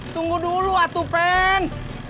tunggu dulu atu pen